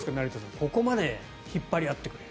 ここまで引っ張り合ってくれる。